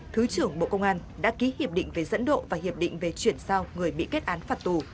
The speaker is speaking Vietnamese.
thứ trưởng bộ công an đã ký hiệp định về dẫn độ và hiệp định về chuyển sao người bị kết án phạt tù